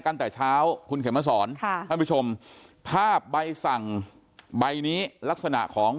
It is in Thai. ตั้งแต่เช้าคุณเข็มมาสอนค่ะท่านผู้ชมภาพใบสั่งใบนี้ลักษณะของ